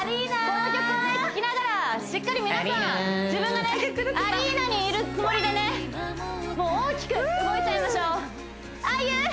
この曲を聴きながらしっかり皆さん自分がアリーナにいるつもりでもう大きく動いちゃいましょうフーウッ！